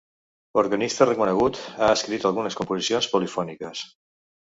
Organista reconegut, ha escrit algunes composicions polifòniques.